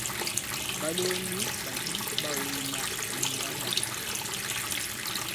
Balongi badi bawela munda mwa kalasa.